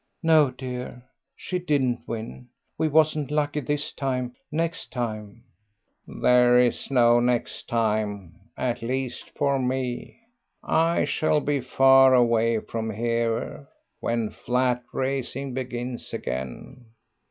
"No, dear, she didn't win. We wasn't lucky this time: next time " "There is no next time, at least for me. I shall be far away from here when flat racing begins again.